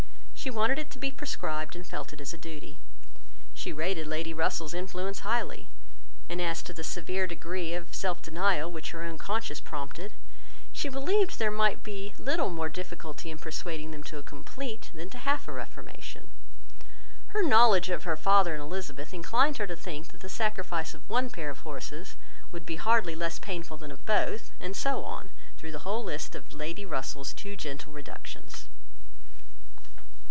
She wanted it to be prescribed, and felt as a duty. She rated Lady Russell's influence highly; and as to the severe degree of self denial which her own conscience prompted, she believed there might be little more difficulty in persuading them to a complete, than to half a reformation. Her knowledge of her father and Elizabeth inclined her to think that the sacrifice of one pair of horses would be hardly less painful than of both, and so on, through the whole list of Lady Russell's too gentle reductions.